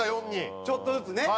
ちょっとずつね。